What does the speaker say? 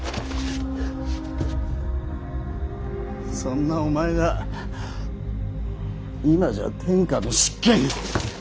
そんなお前が今じゃ天下の執権。